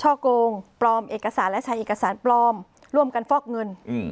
โกงปลอมเอกสารและใช้เอกสารปลอมร่วมกันฟอกเงิน